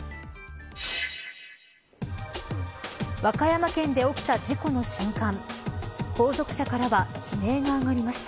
和歌山県で起きた事故の瞬間。